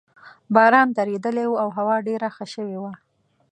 باران درېدلی وو او هوا ډېره ښه شوې وه.